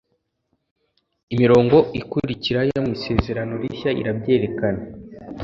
Imirongo ikurikira yo mu Isezerano Rishya irabyerekena